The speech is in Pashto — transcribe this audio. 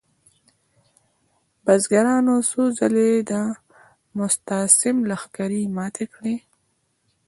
بزګرانو څو ځلې د مستعصم لښکرې ماتې کړې.